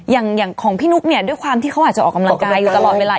อย่างของพี่นุ๊กเนี่ยด้วยความที่เขาอาจจะออกกำลังกายอยู่ตลอดเวลา